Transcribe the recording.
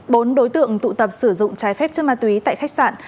bốn đối tượng tụ tập sử dụng trái phép chất ma túy tại khách sạn